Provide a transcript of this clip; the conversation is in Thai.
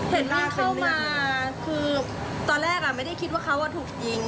เห็นว่าเข้ามาคือตอนแรกไม่ได้คิดว่าเขาถูกยิง